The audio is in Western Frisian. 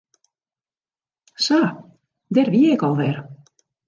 Sa, dêr wie ik al wer.